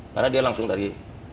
karena dia langsung dari